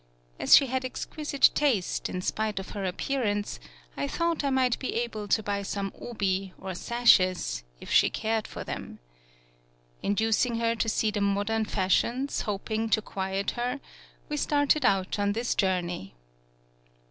As she had exquisite taste, in spite of her appearance, I thought I might be able to buy some Obi, or sashes, if she cared for them. Inducing her to see the modern fashions, hoping to quiet her, we started out on this journey.